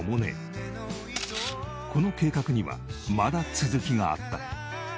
この計画にはまだ続きがあった。